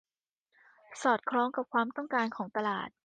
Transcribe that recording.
สอดคล้องกับความต้องการของตลาด